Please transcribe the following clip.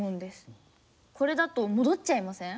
これだと戻っちゃいません？